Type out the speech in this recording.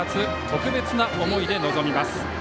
特別な思いで臨みます。